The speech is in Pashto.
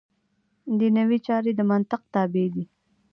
دنیوي چارې د منطق تابع دي.